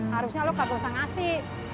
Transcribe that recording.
harusnya lo gak usah ngasih